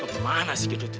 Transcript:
kemana sih gitu dia